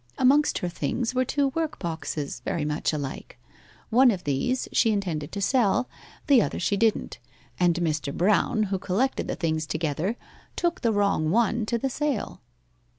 Amongst her things were two workboxes very much alike. One of these she intended to sell, the other she didn't, and Mr. Brown, who collected the things together, took the wrong one to the sale.